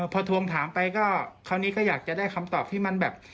พอทวงถามไปก็คราวนี้ก็อยากจะได้คำตอบที่มันแบบ